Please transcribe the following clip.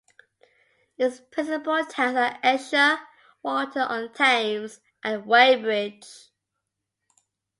Its principal towns are Esher, Walton-on-Thames and Weybridge.